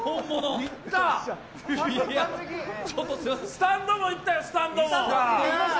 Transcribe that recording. スタンドもいったよ、スタンドも！